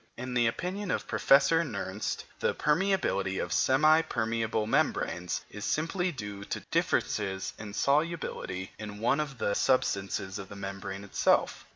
In the opinion of Professor Nernst, the permeability of semi permeable membranes is simply due to differences of solubility in one of the substances of the membrane itself.